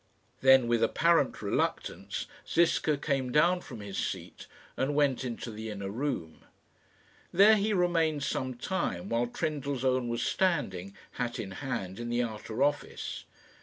Then, with apparent reluctance, Ziska came down from his seat and went into the inner room. There he remained some time, while Trendellsohn was standing, hat in hand, in the outer office.